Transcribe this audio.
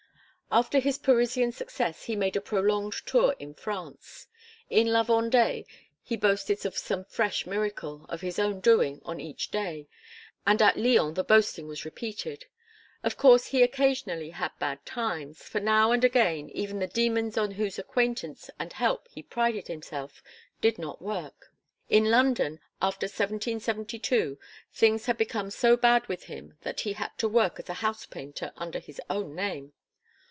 After his Parisian success he made a prolonged tour in France. In la Vendée he boasted of some fresh miracle of his own doing on each day; and at Lyons the boasting was repeated. Of course he occasionally had bad times, for now and again even the demons on whose acquaintance and help he prided himself did not work. In London after 1772, things had become so bad with him that he had to work as a house painter under his own name.